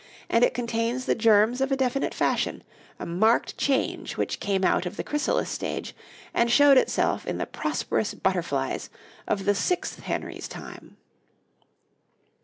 and it contains the germs of a definite fashion, a marked change which came out of the chrysalis stage, and showed itself in the prosperous butterflies of the sixth Henry's time.